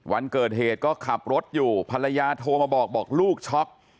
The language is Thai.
วันเกิดเหตุก็ขับรถอยู่ภรรยาโทรมาบอกบอกลูกช็อก